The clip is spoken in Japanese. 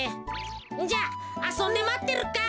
じゃああそんでまってるか。